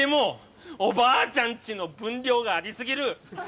「おばあちゃんち」の分量があり過ぎる！